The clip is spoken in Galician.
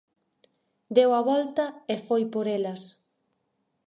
Deu a volta e foi por elas.